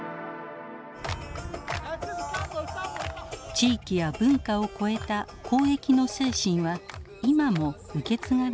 地域や文化を超えた交易の精神は今も受け継がれていました。